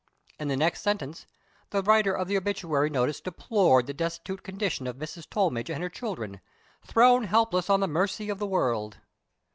In the next sentence the writer of the obituary notice deplored the destitute condition of Mrs. Tollmidge and her children, "thrown helpless on the mercy of the world."